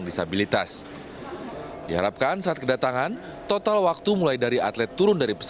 nah ini berarti ada berapa orang yang harus mengoperasikan alat alat tersebut